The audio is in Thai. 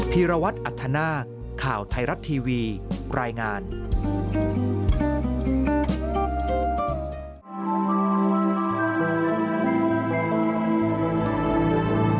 สวัสดีครับทุกคน